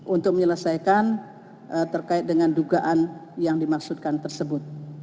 untuk menyelesaikan terkait dengan dugaan yang dimaksudkan tersebut